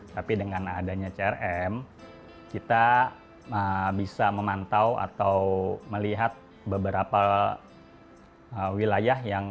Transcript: tapi dengan adanya crm kita bisa memantau atau melihat beberapa wilayah yang mungkin kita kurang apa ya menyenangkan